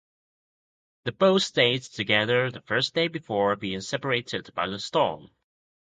The boats stayed together the first day before being separated by the storm.